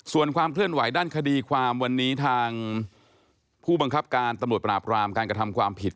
ส่วนความเคลื่อนไหวด้านคดีความวันนี้ทางผู้บังคับการตำรวจปราบรามการกระทำความผิด